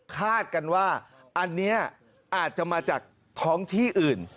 กันว่าอันนี้อาจจะมาจากท้องที่อื่น